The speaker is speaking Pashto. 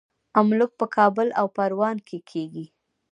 املوک په کابل او پروان کې کیږي.